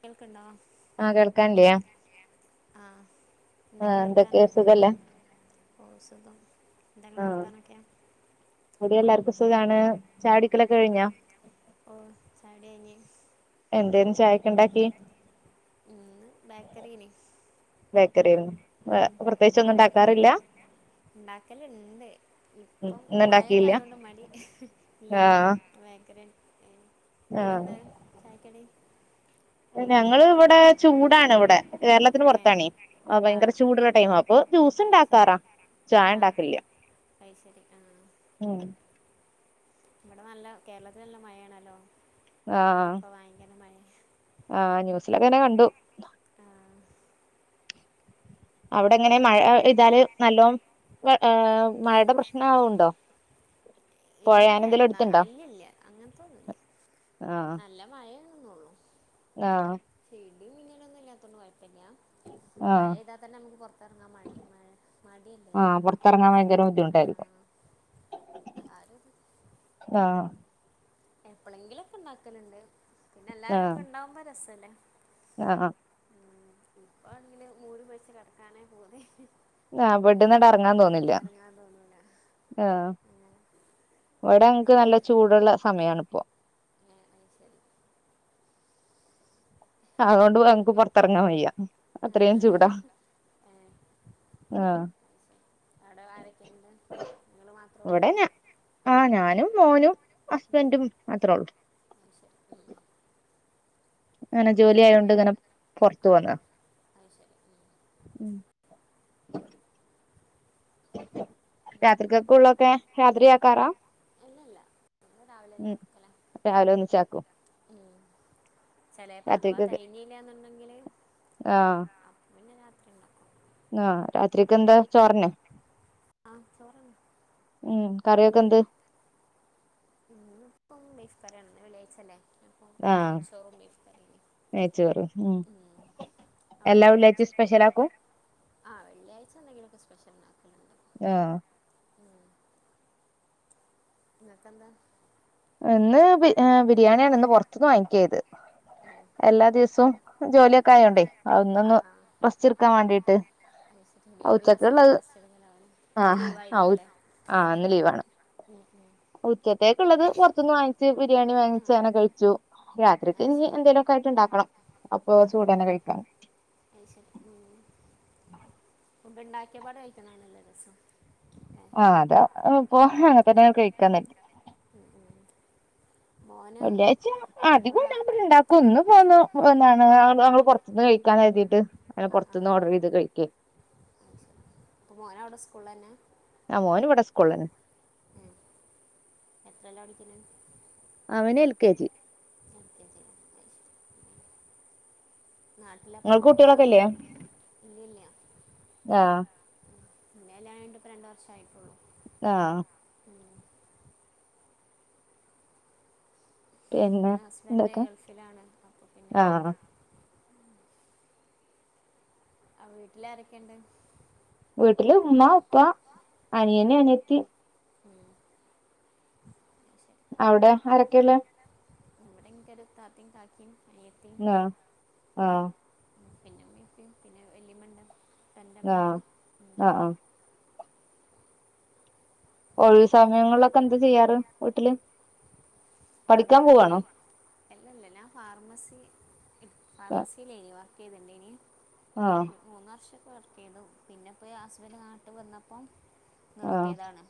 കേൾക്കണ്ടോ ആ കേൾക്കല്യാ ആ ആഹ് എന്തൊക്കെയ എന്തൊക്കെ വർത്താനം? സുഖല്ലേ ഓ സുഖം. എന്താങളെ വർത്താനൊക്കെ? ഇവടെ എല്ലാവർക്കും സുഖമാണ്. ചായടിക്കലൊക്കെ ഉം. കഴിഞ്ഞാ ഓ ചായടികയിഞ് [inaudible] എന്തേനു ചായക്ക്ണ്ടാക്കി ഇന്ന് ബേക്കറീന് ബേക്കറിന്നും പ്രത്യേകിച്ച ഒന്നും ഉണ്ടാക്കാറില്ല ഉണ്ടാക്കല ഇണ്ട് ഉം ഇപ്പം മഴക്ക ഇന്നുണ്ടാക്കിയില്ല ആയ കൊണ്ട് മടി ഇല്ലല്ല ആഹ് ബേക്കരി നിങ്ങെളെന്താ ആഹ് ചായക്കടി? ഞങ്ങള് ഇവടെ ചൂടാണ് ഇവടെ കേരളത്തിന് ഏ പുറത്താണേ ആ ഭയങ്കര ചൂടുള്ള ടൈം അപ്പൊ ജ്യൂസ് അത് ഉണ്ടാക്കാറാ ചായണ്ടാക്കില്ല. അയ്ശെരി ആ ഉം ഇവിടെ നല്ല കേരളത്തില നല്ല മയയാണല്ലോ ഇന്നൊക്കെ ഭയങ്കരമയാ ആ ന്യൂസിലൊക്കെങ്ങനെ കണ്ടു ആ അവിടെ എങ്ങനെ മഴ എന്നിട്ട് ഇതാല് നല്ലോം മഴയുടെ പ്രശ്നണ്ടോ ഇല്ല ഇന്നാ അല്ലില്ല അങ്ങനത്തൊന്നുല്ലാ നല്ല മഴയൊന്നള്ളു ആ ഇടി മിന്നലൊന്നും ഇല്ലത്തൊണ്ട് കൊഴപ്പല്യ ആഹ് മഴെയ്താ തന്നെ നമുക്ക് പുറത്തിറങ്ങാൻ മടി മഴ മടിയല്ലേ ഇറങ്ങാൻ ഭയങ്കര ബുദ്ധിമുട്ടായിരിക്കും അരാത് ആഹ എപ്പോഴെങ്കിലുംക്കെ ഉണ്ടാക്കലുണ്ട് പിന്നെ എല്ലാരുംക്കെ ഉണ്ടാവുമ്പോ രസല്ലേ ആഹ ഇപ്പാണെങ്കില് മൂടി പൊതച് കെടക്കാനാ പൂതി അവിടുന്നാങട് ഇറങ്ങാൻ തോന്നില്ല തോന്നൂല ആ അങ്ങനെ ഇവിടെ ങ്ങക്ക് നല്ല ചൂടുള്ള സമയണിപ്പൊ അ ശരി [unintelligible] ആ, അതുകൊണ്ട്ഞങ്ങക്ക് പുറത്തറങ്ങാൻ ഏ, വയ്യാ അത്രയും അത് ചൂടാ ശരി. ആ തട ആരൊക്കെണ്ട് നിങ്ങള് മാത്രേ ഉള്ളൂ അപ്പൊ ആ ഞാനും മോനും ഉം, ഹസ്ബൻറും മാത്രേ ഒള്ളൂ ഉം [inaudible] അങ്ങനെ ജോലി ആയൊണ്ട് ഇങ്ങനെ പൊറത്തു ആ ആ പോന്നാ അത് ശരി ഉം, ഉം [inaudible] ഉം. ഇല്ല രാത്രികൊക്കെ ഉള്ളൊക്കെ രാത്രിയാക്കാറാ അല്ലല്ല രാവിലെന്നെ ഉം രാവിലെ ഒന്ന്ചാക്കും ഉം ചെലേപ്പോ അഥവാ രാത്രിക്കക്ക് തെയ്ഞ്ഞില്ലന്നുണ്ടെങ്കില് ആ അന്ന രാത്രി ഉണ്ടാക്ക [inaudible] ആ രാത്രിക്ക് എന്താ ചോറെനെ ആ ചോറാണ് ഉം കറിയൊക്കെ എന്ത് ഇന്ന് ഇപ്പം ബിഫ്കറിആണ് വെള്ളിഴ്ച്ചല്ലേ [inaudible] ആഹ് നെയ്ച്ചോറും ബീഫ് കറിം ഉം എല്ലാ വെള്ളിയാഴ്ചയും അവിടെന്തെലുംച്ചക്കെ സ്പെഷ്യലാക്കും ആ വെള്ളിയാഴ്ച എന്തെങ്കിലുമൊക്കെ സ്പെഷ്യൽ ഉണ്ടാകും യാഹ് ഇങ്ങക്കെന്താ? ഇന്ന് ബി ഹേ ബിരിയാണിയാണ് ഇന്ന് പോർത്ത്ന്ന് വാങ്ങിക്കാത്. ഏ എല്ലാ ദിവസവും ജോലിയൊക്കെ ആ ആയോണ്ടേ ചോലൊക്കെ അഹ് ന്നൊന്ന് ആ ആ റസ്റ്റ്ട്ക്കാൻ വാണ്ടിട്ട് ലീവുള്ള സം റസ്റ്റ് ടുക്കലാണ്. ഇന്ന് ആഹ് ലീവായിരിക്കും ആഹ് ല്ലേ? ആഹ് ഇന്ന് ലീവാണ്. ഉം ഉം ഉച്ചത്തേക്ക്ള്ളത് പൊറ്ത്ത്ന്ന് വാങ്ങിച്ച് ബിരിയാണി വാങ്ങിച്ച് ഉം അങ്ങനെ കഴിച്ചു. ആ രാത്രിക്ക് ആ ഇനി ശരി എന്തേലുക്കെ ആയിട്ട് ണ്ടാക്കണം അപ്പൊ ആ ആ ചൂട് തന്നെ കഴിക്കാ. [unintelligible] ഫുഡ് ണ്ടാക്കിയപാട് ഴിക്കണാണല്ലേ രസം? ഏ ആഹ് അതാ ഇപ്പൊ അങ്ങൻത്തന്നെ കഴിക്കാൻ ഉം ഉം മോന് വെള്ളിയാഴ്ച അധികും അവിടെ ഞ ബടെ ണ്ട ന്ന് പോന്നു [unintelligible] പൊർത്ത്ന്ന് കഴിക്കാ ന്ന് കര്തിട്ട് അ ആ ആ പൊർത്ത്ന്ന് ഓർഡർ ചെയ്ത് കഴി കി [unintelligible] അഒടെ സ്കൂൾ തന്നെ? ആഹ് മോൻ ഇവടെ സ്കൂള്ലന്നെ. എത്രല പടിക്ക്ന്നേ? അവന് എൽ കെ ജി [unintelligible] നാട്ട്ലപ്പം നിങ്ങൾക്ക് കുട്ടികളൊക്കെ ആഹ് ഇല്ലേ ഇല്ലില്ല. ആഹ് ൻ്റെ കല്യാണം കഴിഞ്ഞിട്ട് പ്പ രണ്ട് വർഷായിട്ടുള്ളൂ. ആഹ് പിന്നെ ഇൻ്റെ ഹസ്ബൻഡ് എന്തൊക്കെ ഗൾഫിലാണ്. അപ്പോൾ പിന്നെ ആഹ് ആഹ് വീട്ട്ൽ ആരക്കെ ണ്ട്? വീട്ട്ല് ഉമ്മ, ഉപ്പാ ഉം. അനിയന്, അനിയത്തി അഒടെ ആരക്കെള്ളേ? തെൻങ്കെടുക്ക ത്തിം കാക്കിം നോ ആഹ് പിന്നെ മ്മിം ഇപ്പിം പിന്നെ വെല്ലിമണ്ട്. ആഹ് അഹ് ആഹ് ഒഴിവ് സമയങ്ങൾലൊക്കെ എന്ത് ചെയ്യാറ് വീട്ട്ല്? [unintelligible] എല്ല ല്ല ഞാൻ ഫാർമസി ആഹ് ഫാർമസിലേനി വ [unintelligible] ആഹ് മൂന്ന് വർഷക്കെ വർക്ക് ചെയ്തു പിന്നെപ്പോ ഹസ്ബൻഡ് നാട്ട് വന്നപ്പം. ആഹ് നിർത്തിയതാണ്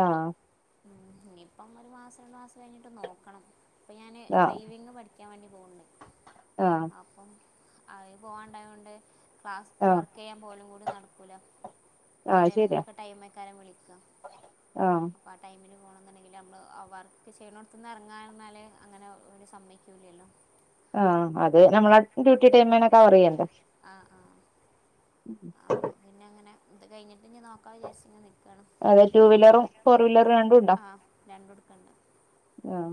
ആഹ് ഉം ഇനിയിപ്പം ഒരു മാസം, രണ്ട് മാസം കഴിഞ്ഞി നോക്കണം പ്പ ഞാൻ ഡ്രൈവിംഗ് പഠിക്കാൻ വാണ്ടി പോവ്ണ്ട്. ആഹ് പ്പം അഹ് പോവാണ്ടായോണ്ട് ക്ലാസ് ആഹ് ആഹ് വർക്ക് യ്യാൻ പോലും കൂടി നടക്കൂല. ആഹ് ഓലെ ശരിയാ ഏതെങ്കിലുക്കെ ടൈംക്കാരം വിളിക്ക. ആഹ് പ്പ ആ ടൈമിൽ പോണന്ന്ണ്ടെങ്കിൽ നമ്മൾ ആ വർക്ക് ചെയ്യണോ ത്ത്ന്ന് എർങ്ങാ ർഞ്ഞാല് അങ്ങനെ ഓല് സമ്മയ്ക്കൂലല്ലോ. ആഹ് അത് നമ്മള ഡ്യൂട്ടി ടൈമന്നെ കവറയ്യല്ലോ. ആ [inaudible] പിന്നങ്ങനെ ഇത് കഴിഞ്ഞിട്ട് ഞ്ഞ് നോക്കാ വിചാരിച്ച് ന്ന്ക്കാണ്. അതെ ടു വീലറും ഫോർ വീലറും രണ്ടും ണ്ടോ? ആ രണ്ടും എടുക്കുന്നുണ്ട് ആഹ്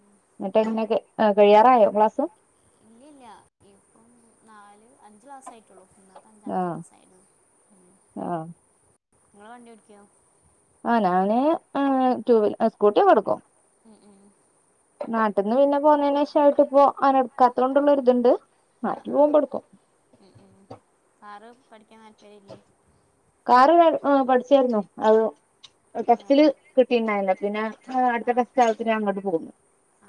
ഉം. ങ്ങട്ട് [unintelligible] കഴിയാറായോ ക്ലാസ്? ഇല്ല ഇല്ല ഇപ്പം നാല് അഞ്ച് മാസ്സായിട്ടുള്ളു ഇന്നേക്ക് അഞ്ചാമത്തെ ആഹ് മാസം ആയത് ഉം ആഹ് ഇങ്ങള് വണ്ടി ഓടിക്കോ ആഹ് ഞാന് ഏഹ് ടു വീൽ അ സ്കൂട്ടിയെക്കെടുക്കും ഏഹ് ഏഹ് നാട്ടിന്ന് പിന്നെ പോന്നേന് ശേഷം ആയിട്ട് ഇപ്പോ അങ്ങനെടുക്കാത്ത കൊണ്ടുള്ളൊര് ഇതുണ്ട് ആഹ് ആഹ് ഏഹ് ഏഹ് കാറ് പഠിക്കാൻ താല്പര്യല്ലേ? കാറ് പ ഏഹ് പഠിച്ചായിരുന്നു അത് ഏ ടെസ്റ്റില് കിട്ടീണ്ടാരുന്നില്ല പിന്നെ ആഹ് അടുത്ത ടെസ്റ്റ് [unintelligible] ഞാൻ ഇങ്ങോട്ട് പോന്നു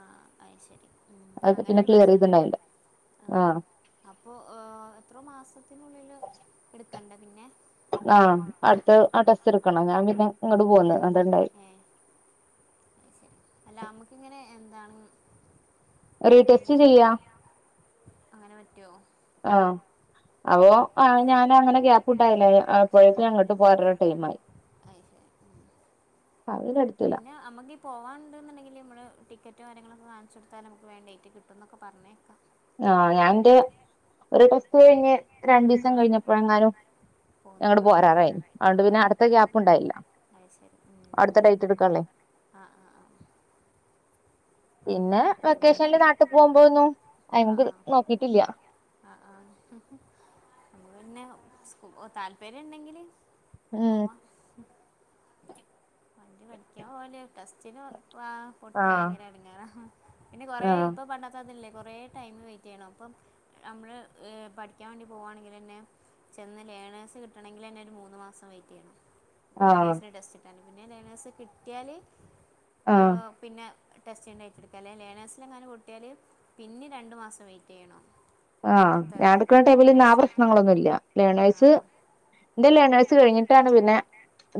ആഹ് അയ് ശെരി ഉം അങ്ങനൊരു പ്രശ്നം ഇണ്ട് അല്ലേ [unintelligible] ആഹ് അപ്പോ ഏഹ് എത്ര മാസത്തിനുള്ളില് എടുക്കണ്ടേ പിന്നെ ആഹ് അടുത്ത ആ ടെസ്റ്റ് എടുക്കണം ഞാൻ പിന്നെ ഇങ്ങട് പോന്ന് അതാ ഇണ്ടായെ ഏ അത് ശരി അല്ല നമ്മക്കിങ്ങനെ എന്താണ് റീടെസ്റ്റ് ചെയ്യാ അങ്ങനെ പറ്റോ? ആഹ് അപ്പൊ ആഹ് ഞാന് അങ്ങനെ ഗ്യാപ് [unintelligible] അപ്പോഴേക്കും അങ്ങോട്ട് പോകാ പറഞ്ഞ് ടൈമായി അത് ശരി ഉം [unintelligible] പിന്നെ നമ്മക്ക് പോകാൻ ഇണ്ട്ന്ന്ണ്ടെങ്കില് മ്മളെ ടിക്കറ്റും കാര്യങ്ങളൊക്കെ കാണിച്ചു കൊടുത്താ അമ്മക്ക് വേഗം ഡെയിറ്റ് കിട്ടുന്നൊക്കെ പറയണ കേക്കാം ആഹ് ഞാൻ ഇന്റെ ഒരു ടെസ്റ്റ് കഴിഞ്ഞ് രണ്ട് ഈസം ആ കഴിഞ്ഞപ്പഴെങ്ങാനും ഞാ ഇങ്ങട് പോകുന്നുണ്ടാവുമല്ലേ പോരാറായിന് ആ അതുകൊണ്ട് പിന്നെ അടുത്ത ഗ്യാപ്പ് ഉണ്ടായില്ല അത് ശരി ഉം അടുത്ത ഡേറ്റ് എടുക്കാള്ളേ ആഹ് ആഹ് ആഹ് പിന്നെ വെക്കേഷനില് ഹസ്ബൻഡിന്റെ നാട്ട് നാട്ടിൽ പോകുമ്പഴൊന്നും പോകുമ്പോഴൊന്നും ആഹ് അയിമ്ക്ക് ആഹ് നോക്കീട്ടില്ല നോക്കിയിട്ടില്ല ആഹ് ആഹ് [unintelligible] പിന്നെ സ്കൂ താല്പര്യം ഇണ്ടെങ്കില് ഉം പോവാം വണ്ടി പഠിക്കാൻ പോവല് ടെസ്റ്റിന് പ് പൊട്ടിയാ ആഹ് ഭയങ്കര എടങ്ങേറാ പിന്നെ കൊറെ ആഹ് ഇപ്പൊ പണ്ടത്തെ മാതിരി അല്ല കൊറേ ടൈം വെയിറ്റ് ചെയ്യണം അപ്പം ഞമ്മള് ഏഹ് പഠിക്കാൻ വേണ്ടി പോവാണെങ്കിലെന്നെ ചെന്ന് ലേണേഴ്സ് കിട്ടണെങ്കിലെന്നെ ഒരു മൂന്ന് മാസം വെയിറ്റ് ചെയ്യണം ആഹ് ലേണേഴ്സിൻ്റെ ടെസ്റ്റ് കിട്ടാൻ പിന്നെ ലേണേഴ്സ് കിട്ടിയാല് ആഹ് ഏഹ് പിന്നെ ടെസ്റ്റ് [unintelligible] ലേണേഴ്സിന് എങ്ങാനും പൊട്ടിയാല് പിന്നെ രണ്ടു മാസം വെയിറ്റ് ചെയ്യണം ആഹ് അടുത്ത ഞാൻ എടുക്കുന്ന ടൈമില് പിന്നെ ആ ടെസ്റ്റ് എടുക്കാൻ പ്രശ്നങ്ങളൊന്നുല്ല ആ ലേണേഴ്സ് ഇന്റെ ലേണേഴ്സ് കഴിഞ്ഞിട്ടാണ് പിന്നെ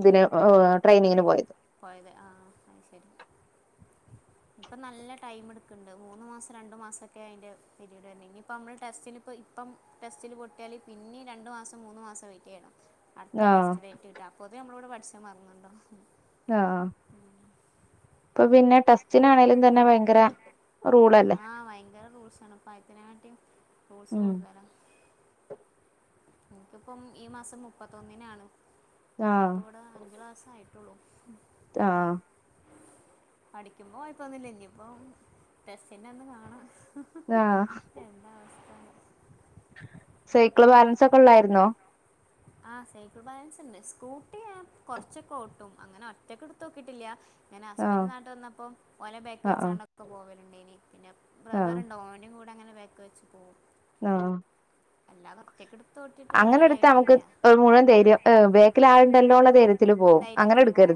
ഇതിന് ഏഹ് ട്രെയിനിങ്ങിന് പോയത് പോയത് ആഹ് അത് ശരി ഇപ്പം നല്ല ടൈം എടുക്കുന്നുണ്ട് മൂന്നുമാസം രണ്ടുമാസക്കെ ആയിൻ്റെ [unintelligible] ഇനിയിപ്പം നമ്മള് ടെസ്റ്റിനിപ്പം ഇപ്പം ടെസ്റ്റില് പൊട്ടിയാല് പിന്നെ രണ്ടു മാസം മൂന്ന് മാസം വെയിറ്റ് ചെയ്യണം അടുത്ത ആഹ് ടെസ്റ്റ് ഡെയിറ്റ് കിട്ടാൻ പൊതുവെ നമ്മളോട് പഠിച്ചെ മറന്ന്ണ്ടാവും ആഹ് അപ്പൊ പിന്നെ ടെസ്റ്റിനാണേലും തന്നെ ഭയങ്കര റൂളല്ലേ ആഹ് ഭയങ്കര റൂൾസ് ആണ് ഇപ്പാദ്യത്തിനെകാട്ടിം റൂൾസ് ഉം കൂടുതലാ ഇൻക്കിപ്പം ഈ മാസം മുപ്പത്തൊന്നിനാണ് ആഹ് ന്റെപ്പോ ഇവിടെ അഞ്ചു ക്ലാസ്സ് ആയിട്ടുള്ളു ആഹ് പടിക്കുമ്പോ കൊയപ്പോന്നുല്ല ഇഞ്ഞിപ്പം ടെസ്റ്റിൻ്റെ അന്ന് കാണാ ആഹ് എന്താ അവസ്ഥാന്ന് സൈക്കിള് ബാലൻസ് ഒക്കെ ഇള്ളായിരുന്നോ? ആഹ് സൈക്കൾ ബാലൻസ്ണ്ട് സ്കൂട്ടി ഞാൻ കോറച്ചൊക്കെ ഓട്ടും അങ്ങനെ ഒറ്റക്ക് ഇട്ത്തോക്കിട്ടില്ല ഞാന് ആഹ് ഹസ്ബൻഡ് നാട്ട് വന്നപ്പോ ഓലെ ബേക്ക് ആഹ് ആഹ് വെച്ചാണ്ടൊക്കെ പോവൽ ഇണ്ടേനി പിന്നെ ആഹ് ബ്രദറ്ണ്ട് ഓന്റെകൂടെ അങ്ങനെ ബേക്ക് വെച്ച് പോവും ആഹ് അല്ലാതെ ഒറ്റയ്ക്ക് എടുത്ത് ഓട്ടിട്ടുള്ള അങ്ങനെ എട്ത്താ നമുക്ക് ധൈര്യമായിട്ടില്ല മുഴുവൻ ധൈര്യം ഏ ബേക്കില് ആള്ണ്ടല്ലോള്ള ധൈര്യ ധൈര്യത്തിൽ പോവാ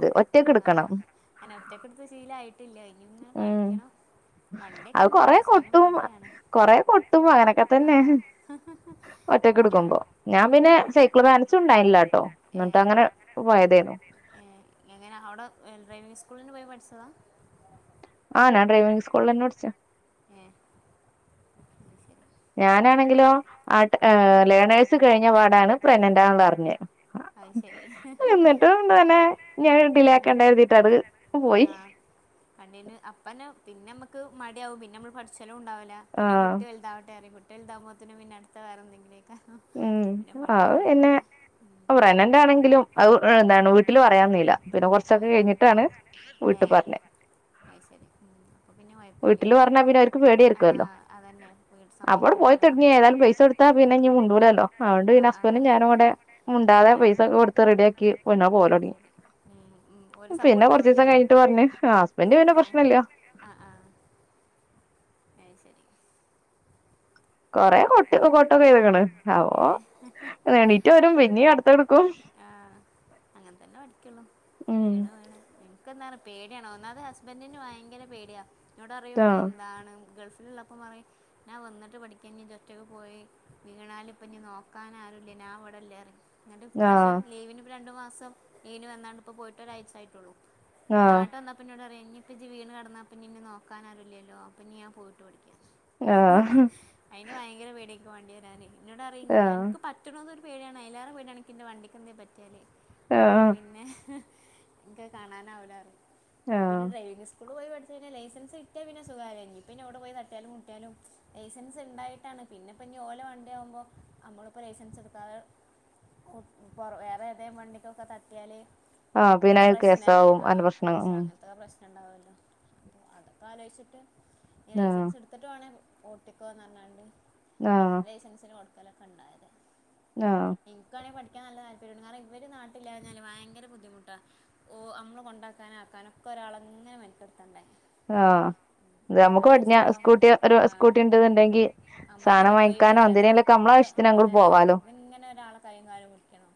ആഹ് അങ്ങനെ ഒറ്റക്ക്ട്ത്ത് ശീലായിട്ടില്ല ഇനി ഇങ്ങനെ ഉം പഠിക്കണം അത് വണ്ടിയൊക്കെണ്ട് ഇവടെ കൊറെ ക്ഷേ അയിന് കൊട്ടും മട്യാണ് കൊറെ കൊട്ടും അങ്ങനൊക്കെ തന്നെ ആഹ് ഒറ്റക്ക് അതാണ് എടുക്കുമ്പോ ഉം ഞാൻ പിന്നെ സൈക്കിള് സൈക്കിൾ ബാലൻസും ഉണ്ടായില്ലാട്ടോ ബാലൻസുണ്ടായില്ല ട്ടൊ എന്നിട്ട് ഏഹ് അങ്ങനെ പോയതേന്നു ഏഹ് എങ്ങനെ അവടെ എൽ ഡ്രൈവിങ് സ്കൂളിന് പോയി പഠിച്ചതാ ആഹ് ഞാൻ ഡ്രൈവിങ് സ്കൂള്ലെന്നെ പഠിച്ച ഏഹ് അത് ശെരി ഞാനാണെങ്കിലോ ഞാനാണങ്കിലോ ആ ഉം അൽ ഏ ലേണേഴ്സ് കഴിഞ്ഞ പാടാണ് കഴിഞ്ഞപാടാണ് പ്രഗ്നന്റ് ആണെന്ന് അറിഞ്ഞേ പ്രഗ്നന്റാന്നറിഞ്ഞേ അത് ശെരി എന്നിട്ടും തന്നെ ഞാൻ ഡിലേ ആക്കണ്ട കരുതിട്ട് അത് പോയി ആഹ് ആഹ് അല്ലേല് അപ്പന്നെ പിന്നെമ്മക്ക് മട്യാവും പിന്നെമ്മള് പഠിച്ചലുണ്ടാവൂല പിന്നെ ആഹ് കുട്ടി വല്താവട്ടെറിം കുട്ടി വല്താവുമ്പോത്തിന് പിന്നെ അട്ത്ത വേറെന്തങ്കിലേക്കാരം പിന്ന പഠിപ്പ് നടക്കൂല പ്രഗ്നന്റ് പ്രേഗ്നെറ്റാണെങ്കിലും ആണെങ്കിലും അത് എന്താണ് വീട്ടില് വീട്ടിൽ പറയാംന്നില്ല പറയാൻ പോയില്ല പിന്നെ ആഹ് കൊറച്ചൊക്കെ കഴിഞ്ഞിട്ടാണ് വീട്ട് പറഞ്ഞെ അയി ശെരി ഉം അപ്പോ പിന്നെ കൊയപ്പല്ല്യ റഞ്ഞാ പിന്നെ ഓര്ക്ക് പേട്യാര്ക്കല്ലോ വീട് അപ്പാണ്ട് പോയി സമ്മതിക്കൂലല്ലോ തൊടങ്ങി ഏതായാലും പൈസൊട്ത്താ പിന്നെഞ്ഞ് മുണ്ടൂ ലല്ലോ അതൊണ്ട് ആ പിന്നെ ആ ഹസ്ബന്റും ഞാനും കൂടെ മുണ്ടാതെ ഏ പൈസൊക്കെ കൊട്ത്ത് റെഡിയാക്കി പിന്നെ അത് പോലോടങ്ങി ശരി ഉം, ഉം. ഓര് പിന്നെ കൊറച്ചീസം സപ്പോർട്ടാവുമല്ലേ കഴിഞ്ഞിട്ട് പറഞ്ഞ് ആഹ് ഹസ്സ്ബന്റ് പിന്നെ പ്രശ്നല്ല ആഹ് ആഹ് അത് ശരി കൊറെ കൊട്ടൊക്കെ കൊട്ടൊക്കെയ്ത്ക്ക്ണ് ഏ [unintelligible] എണീറ്റൊരും പിന്നേം അട്ത്തത്ട്ക്കും ആഹ് അങ്ങനെത്തന്നെ പഠിക്കൊള്ളൂ ഉം വീണു ഇക്കെന്താണ് പേട്യാണ് ഒന്നാമത് ഹസ്ബന്റിന് ഭയങ്കര പേട്യാ ഇന്നോട്റിയും ആഹ് എന്താണ് ഗൾഫില്ള്ള ഇപ്പം പറിം ഞാൻ വന്ന്ട്ട് പഠിക്ക്യ ഇഞ്ഞ്ജ്ജ് ഒ റ്റക്ക് പോയി വീണാലിപ്പനി നോക്കാനാരുല്ല ഞാൻ ഇവിടല്ലേറിം ഇങ്ങെട്ട് ഇപ്രാശ്യം ആഹ് ലീവിന് രണ്ടു മാസം ലീവിന് വന്നാണ്ട് ഇപ്പോ പോയിട്ട് ഒരാഴ്ച ആയിട്ടൊള്ളൂ നാട്ട് വന്നപ്പോ ഇന്നോട്റ്യ ഇഞ്ഞി ഇപ്പ ഇജ്ജ് വീണ് കടന്നാപ്പോഞ്ഞ്ന്നെ നോക്കാൻ ആരുല്ലല്ലോ അപ്പഞ്ഞ് ഞാൻ പോയിട്ട് പടിക്ക്യാന്ന് ആഹ് ആഹ് അയിന് ഭയങ്കര പേട്യ ഇക്ക് വണ്ടിരാന് ഇന്നോടറിം അൻക്ക് ആഹ് പ റ്റ്ണതൊരു പേട്യാണ് അയിലേറെ പേട്യാണ് ഇക്ക്ൻ്റെ വണ്ടിക്ക് എന്തേലും പറ്റിയാല് അപ്പം ആഹ് പിന്നെ ഇൻക്ക് അത് കാണാനാവൂലറിം അപ്പോ പിന്നെ ആഹ് ധൈര്യസ് സ്കൂള് പോയി പഠിച്ച് കഴിഞ്ഞാ ലൈസൻസ് കിട്ട്യാ പിന്നെ സുഖാല്ലേ ഇനി പിന്നെ എവ്ടെ പോയി തട്ട്യാലും മുട്ട്യാലും ലൈസൻസ്ണ്ടായി ട്ടാണ് പിന്നെപ്പഞ്ഞ് ഓലെ വണ്ട്യവുമ്പോ നമ്മള്പ്പോ ലൈസൻസ്ട്ക്കാതെ [unintelligible] വേറെ ഏതേ വണ്ടിക്കൊക്കെ തട്ടിയാല് ആഹ് പിന്നെ അത് പ്രശ്നല്ലേ കേസാവും അങ്ങനെ ആഹ് പ്രശ്നം കേസോ ഉം അങ്ങനത്തെക്കെ പ്രശ് നണ്ടാവല്ലോ അതൊക്ക ആലോയിച്ചിട്ട് ഇഞ്ഞ് ആഹ് ലൈസൻസ്ട് ത്ത്ട്ട് വാണേ ഓട്ടിക്കൊന്നറ്ഞ്ഞാണ്ട് ആഹ് ലൈസൻസിന് കൊടുക്കലൊക്കെ ഇണ്ടായത്. ആഹ് ഇൻക്കാണെ പഠിക്കാ നല്ല താല്പര്യണ്ട് കാരണം ഇവര് നാട്ട്ല്ലാഞ്ഞാലെ ഭയങ്കര ബദ്ധിമുട്ടാ ഓഹ് അമ്മളെ കൊണ്ടാക്കാന് ആക്കാനൊക്കൊരാളെ ഇങ്ങനെ മെനക്കെട്ത്തണ്ടേ. ആഹ് [unintelligible] ഞമ്മക്ക് പടിഞ്ഞാ സ്കൂട്ടി ഒരു സ്കൂട്ടിണ്ട്ന്ന്ണ്ടെങ്കി അമ്മക്കെന്നെ പോയി വരാലോ ക്കെ ആവശ്യത്തിന് അങ്ങോട്ട് അതന്നെ പോവാലോ ഇത്ങ്ങനെ ഒരാളെ കൈയ്യും കാലും പുടിക്കണം.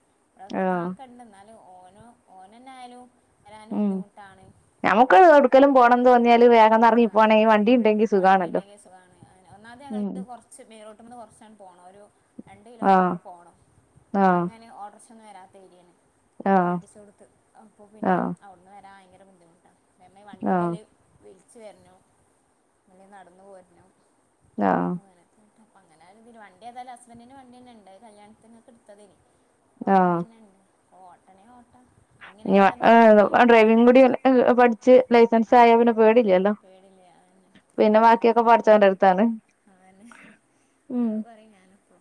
അത്പ്പ ആഹ് കാക്കണ്ട് ഇന്നാലു ഓനോ ഓനന്നായാലും വരാന് ബുദ്ധിമുട്ടാണ്. ഞമ്മക്ക് എവ്ട്ക്കേലും പോണം തോന്നിയാല് വേ ആഹ് വണ്ടി ഉണ്ടെങ്കിൽ സുഖാണ് അയന്നെ ഒന്നാമത് ഉം ഞങ്ങൾത് കൊറച്ച് ച്ച് മേയ്റോട്ടമന്ന് കുറച്ചാണ് പോണം ഒരു രണ്ട് ആഹ് കിലോമീറ്റർ പോണം ആഹ് അങ്ങനെ ഓഡ്രെഷ് റ്റൊന്നും വരാത്ത ഏരിയാണ് ആഹ് കെട്ടിച്ചോട്ത്ത് അപ്പൊ പിന്നെ ആഹ് അവിടുന്ന് വരാൻ ഭയങ്കര ബുദ്ധിമുട്ടാണ്. തന്നെ ആഹ് വണ്ടിക്കല്ലേ വിളിച്ച് വര്ണം അല്ലേൽ നടന്നു പോരണം. ആഹ് ണ് അപ്പൊ അങ്ങന ര് ഇതിന് വണ്ടി ഏതാലും ഹസ്ബൻഡ്ന്റെ വണ്ടി ന്നെണ്ട് അത് കല്യാണത്ത്ങ്ങക്ക് ഇട്ത്തതേയ്നി പ്പൊആ ആഹ് വണ്ടിയെന്നെണ്ട് അഓട്ടണേ ഓട്ട [unintelligible] ഡ്രൈവിംഗ കൂടി പഠിച്ച്ച് ലൈസൻസ് ആയ പിന്നെ പേടില്ലല്ലോ പേടില്ല്യ പിന്നെ ബാക്കിയൊക്കെ പഠിച്ചോന്റെ അട്ത്താണ്. അതന്നെ അത് പറിം ഞാനപ്പോ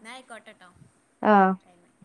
ന്നായിക്കോട്ടട്ടോ. ആഹ് [unintelligible]